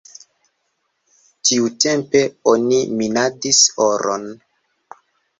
Tiutempe oni minadis oron.